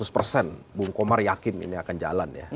dua ratus persen bung komar yakin ini akan jalan ya